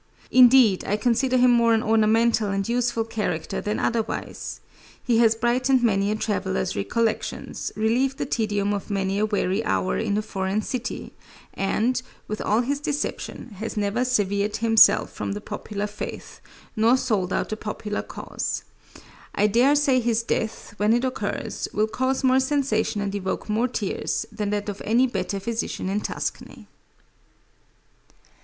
Indeed, I consider him more an ornamental and useful character than otherwise. He has brightened many a traveler's recollections, relieved the tedium of many a weary hour in a foreign city, and, with all his deception, has never severed himself from the popular faith, nor sold out the popular cause. I dare say his death, when it occurs, will cause more sensation and evoke more tears, than that of any better physician in Tuscany.